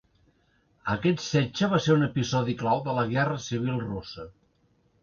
Aquest setge va ser un episodi clau de la guerra civil russa.